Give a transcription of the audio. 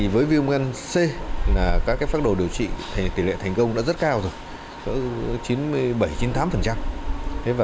với viêm gan c các pháp đồ điều trị tỷ lệ thành công đã rất cao rồi